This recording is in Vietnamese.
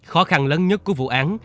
khó khăn lớn nhất của vụ án